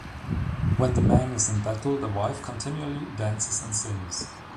When the man is in battle, the wife continually dances and sings.